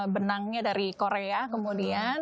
benangnya dari korea kemudian